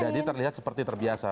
jadi terlihat seperti terbiasa